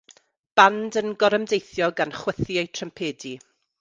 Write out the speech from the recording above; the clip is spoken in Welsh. Band yn gorymdeithio gan chwythu eu trympedi.